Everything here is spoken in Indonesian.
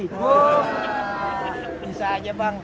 wah bisa aja bang